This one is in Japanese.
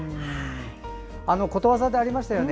ことわざでありましたよね。